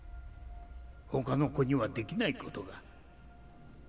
他の子にはできないことが